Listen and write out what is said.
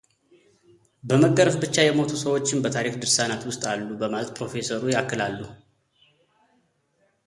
በመገረፍ ብቻ የሞቱ ሰዎችም በታሪክ ድርሳናት ውስጥ አሉ በማለት ፕሮፌሰሩ ያክላሉ።